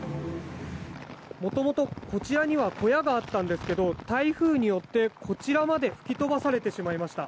元々、こちらには小屋があったんですけど台風によって、こちらまで吹き飛ばされてしまいました。